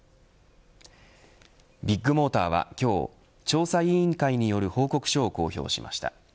ビッグモーターは今日調査委員会による報告書を公表しました。